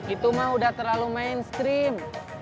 itu mah udah terlalu mainstream